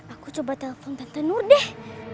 aku coba telepon tante nur deh